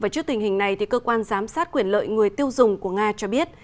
trước tình hình này cơ quan giám sát quyền lợi người tiêu dùng của nga cho biết